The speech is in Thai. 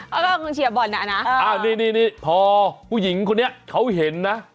เขาก็คงเฉียบบอลน่ะนะเออนี่พอผู้หญิงคนนี้เขาเห็นนะ